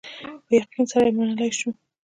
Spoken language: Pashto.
په یقین سره یې منلای شو.